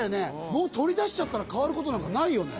もう撮り出しちゃったら代わることなんかないよね。